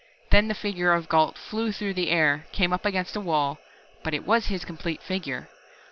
Then the figure of Gault flew through the air, came up against a wall but it was his complete figure.